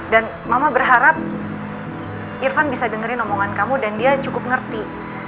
dan mama berharap irfan bisa dengerin omongan kamu dan dia cukup ngerti